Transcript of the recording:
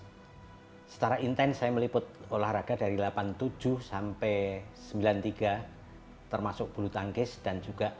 hai secara intens meliput olahraga dari delapan puluh tujuh sampai sembilan puluh tiga termasuk bulu tangkis dan juga